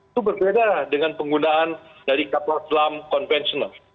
itu berbeda dengan penggunaan dari kapal selam konvensional